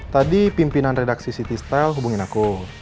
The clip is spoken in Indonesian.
tadi pimpinan redaksi ct style hubungin aku